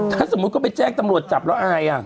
ถ้าสมมุติก็ไปแจ้งตำรวจจับแล้วอาย